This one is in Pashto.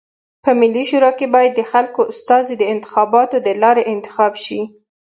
په ملي شورا کي بايد د خلکو استازي د انتخاباتو د لاري انتخاب سی.